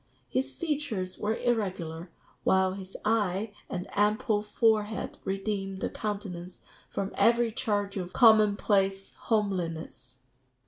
His features were irregular, while his eye and ample forehead redeemed the countenance from every charge of common place homeliness."